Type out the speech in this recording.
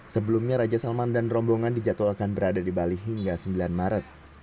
sebelumnya raja salman dan rombongan dijadwalkan berada di bali hingga sembilan maret